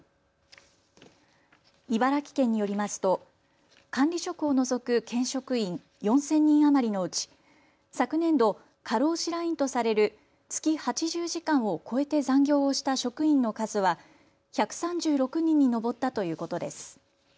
茨城県によりますと管理職を除く県職員４０００人余りのうち昨年度、過労死ラインとされる月８０時間を超えて残業をした職員の数は１３６人に上ったということです。